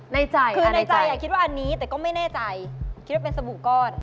ในใจคือในใจคิดว่าอันนี้แต่ก็ไม่แน่ใจคิดว่าเป็นสบู่ก้อน